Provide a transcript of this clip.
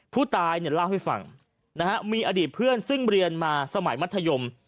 ผู้ตายเนี่ยเล่าให้ฟังนะฮะมีอดีตเพื่อนซึ่งเรียนมาสมัยมัธยม